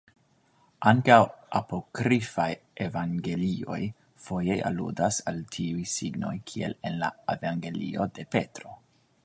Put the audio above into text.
Ankaŭ apokrifaj evangelioj foje aludas al tiuj signoj kiel en la evangelio de Petro.